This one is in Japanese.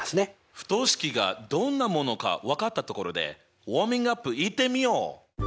不等式がどんなものか分かったところでウォーミングアップいってみよう。